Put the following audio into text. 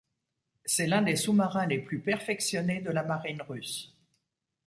C'est l'un des sous-marins les plus perfectionnés de la marine russe.